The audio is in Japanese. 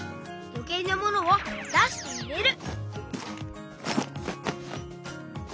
よけいなものをだしていれる。